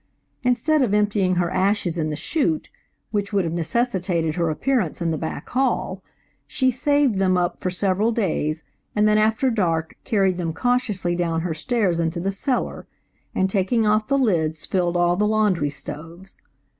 Instead of emptying her ashes in the chute which would have necessitated her appearance in the back hall, she saved them up for several days, and then after dark carried them cautiously down her stairs into the cellar, and taking off the lids filled all the laundry stoves.